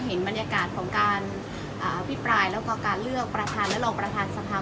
เห็นบรรยากาศของการอภิปรายแล้วก็การเลือกประธานและรองประธานสภา